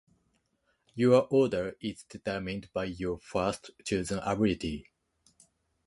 Your Order is determined by your first chosen ability.